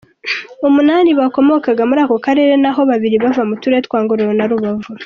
Umunani bakomokaga muri ako karere naho babiri bava mu turere twa Ngororero na Rubavu.